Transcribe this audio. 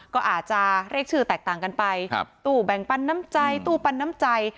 ก็อาจจะเรียกชื่อแตกต่างกันไปตู้แบ่งปันน้ำใจตู้ปันน้ำใจ